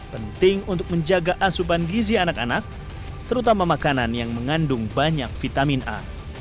penting untuk menjaga asupan gizi anak anak terutama makanan yang mengandung banyak vitamin a